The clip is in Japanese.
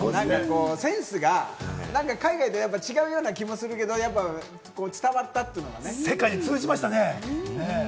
センスが海外だと違うような気もするけれど、やっぱり伝わったと世界に通じましたね。